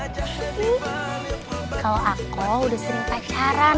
kalau aku udah sering pacaran